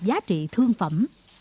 và giá trị thương phẩm